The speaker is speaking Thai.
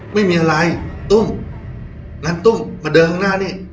ไม่มีอะไรตุ้มนั้นตุ้มมาเดินข้างหน้านี่